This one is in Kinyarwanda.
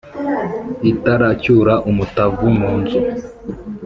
Itaracyura umutavu mu nzu,